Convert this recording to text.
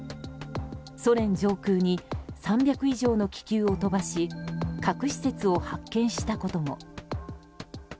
ソ連上空に３００以上の気球を飛ばし核施設を発見したことも。